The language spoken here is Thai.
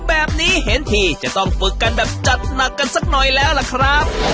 แบบนี้เห็นทีจะต้องฝึกกันแบบจัดหนักกันสักหน่อยแล้วล่ะครับ